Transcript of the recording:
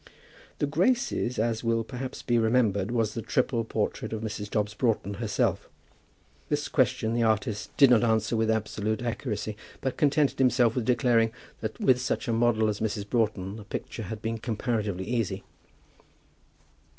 "The Graces," as will perhaps be remembered, was the triple portrait of Mrs. Dobbs Broughton herself. This question the artist did not answer with absolute accuracy, but contented himself with declaring that with such a model as Mrs. Broughton the picture had been comparatively easy.